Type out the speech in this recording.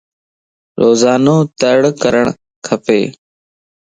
روزانو تڙ ڪرڻ کپ